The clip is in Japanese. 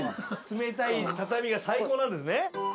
冷たい畳が最高なんですね。